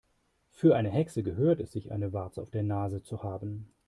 Für eine Hexe gehört es sich, eine Warze auf der Nase zu haben.